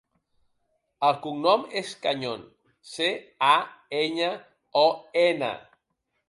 El cognom és Cañon: ce, a, enya, o, ena.